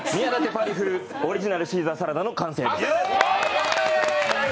パリ風オリジナルシーザーサラダの完成です。